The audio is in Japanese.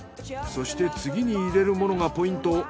そして次に入れるものがポイント。